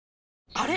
あれ？